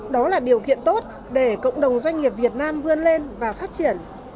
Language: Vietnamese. đó là điều kiện tốt để cộng đồng doanh nghiệp việt nam vươn lên và phát triển